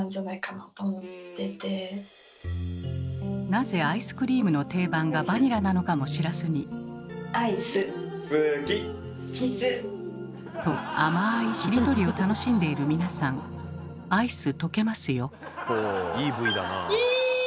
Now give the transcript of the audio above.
なぜアイスクリームの定番がバニラなのかも知らずに。と甘いしりとりを楽しんでいる皆さんアイス溶けますよ。